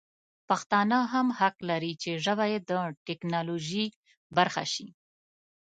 پښتانه هم حق لري چې ژبه یې د ټکنالوژي برخه شي.